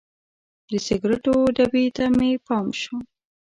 د سګریټو ډبي ته مې پام شو.